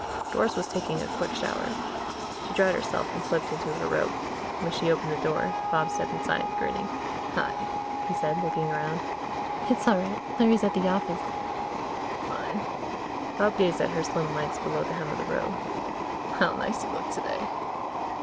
Doris was taking a quick shower. She dried herself and slipped into her robe. When she opened the door Bob stepped inside, grinning. "Hi," he said, looking around. "It's all right. Larry's at the office." "Fine." Bob gazed at her slim legs below the hem of the robe. "How nice you look today."